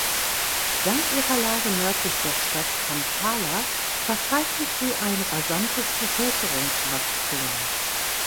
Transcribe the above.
Dank ihrer Lage nördlich der Stadt Kampala verzeichnet sie ein rasantes Bevölkerungswachstum.